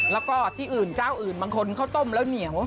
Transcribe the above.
แล้วก็ที่อื่นเจ้าอื่นบางคนเขาต้มแล้วเหนียว